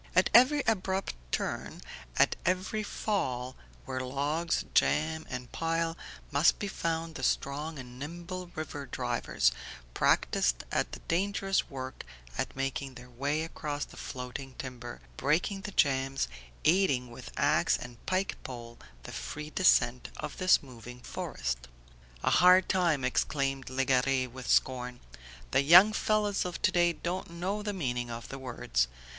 At every abrupt turn, at every fall, where logs jam and pile, must be found the strong and nimble river drivers, practised at the dangerous work, at making their way across the floating timber, breaking the jams, aiding with ax and pike pole the free descent of this moving forest. "A hard time!" exclaimed Legare with scorn. "The young fellows of to day don't know the meaning of the words.